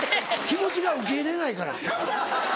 気持ちが受け入れないから。